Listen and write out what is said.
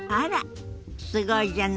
すごいじゃない。